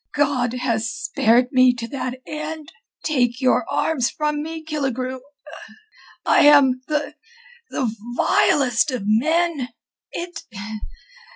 God has spared me to that end. Take your arms from me, Killigrew. I am the... the vilest of men. It...